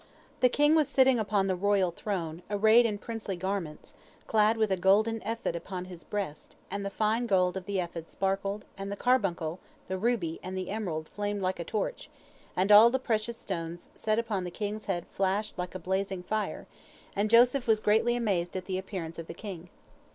The king was sitting upon the royal throne, arrayed in princely garments, clad with a golden ephod upon his breast, and the fine gold of the ephod sparkled, and the carbuncle, the ruby, and the emerald flamed like a torch, and all the precious stones set upon the king's head flashed like a blazing fire, and Joseph was greatly amazed at the appearance of the king.